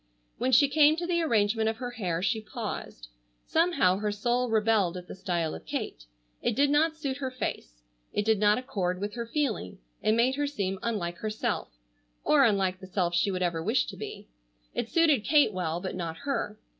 When she came to the arrangement of her hair she paused. Somehow her soul rebelled at the style of Kate. It did not suit her face. It did not accord with her feeling. It made her seem unlike herself, or unlike the self she would ever wish to be. It suited Kate well, but not her.